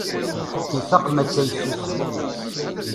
Ifaq maca yessusem.